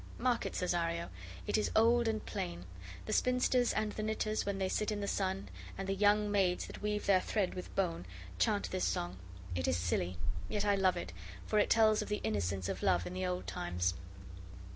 Mark it, Cesario, it is old and plain. The spinsters and the knitters when they sit in the sun, and the young maids that weave their thread with bone, chant this song. It is silly, yet I love it, for it tells of the innocence of love in the old times."